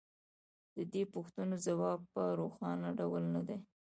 د دې پوښتنو ځواب په روښانه ډول نه دی